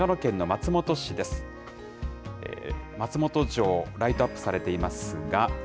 松本城、ライトアップされていますが。